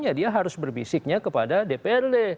ya dia harus berbisiknya kepada dprd